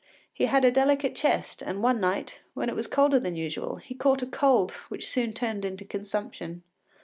He had a delicate chest, and one night, when it was colder than usual, he caught a cold which soon turned into consumption.